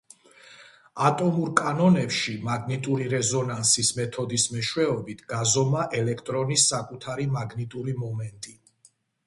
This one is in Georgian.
ატომურ კანონებში მაგნიტური რეზონანსის მეთოდის მეშვეობით გაზომა ელექტრონის საკუთარი მაგნიტური მომენტი.